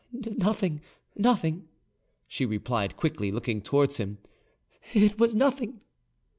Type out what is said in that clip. "Nothing, nothing," she replied quickly, looking towards him; "it was nothing."